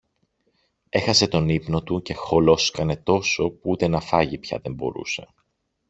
Έχασε τον ύπνο του και χολόσκανε τόσο, που ούτε να φάγει πια δεν μπορούσε.